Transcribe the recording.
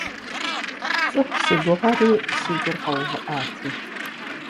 ЦӀыху си гугъэри си гур къэувыӀати!